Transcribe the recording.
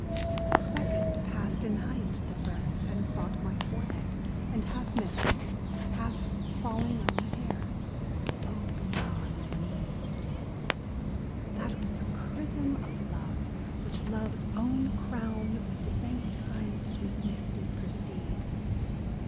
The second passed in height The first, and sought my forehead, and half missed. Half falling on the hair. Oh, beyond meed ! That was the chrism of love, which love's own crown. With sanctifying sweetness, did precede.